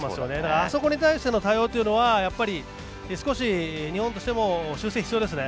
あそこに対しての対応はやっぱり少し、日本としても修正が必要ですね。